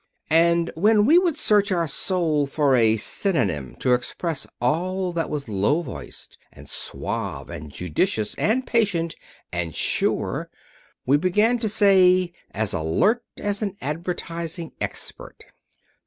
And when we would search our soul for a synonym to express all that was low voiced, and suave, and judicious, and patient, and sure, we began to say, "As alert as an advertising expert."